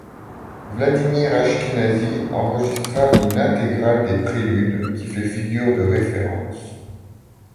Vladimir Ashkenazy enregistra une intégrale des préludes, qui fait figure de référence.